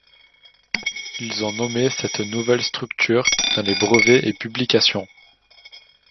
Ils ont nommé cette nouvelle structure dans les brevets et publications.